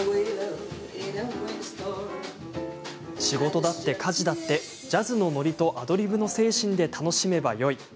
仕事だって家事だってジャズの乗りとアドリブの精神で楽しめばよい。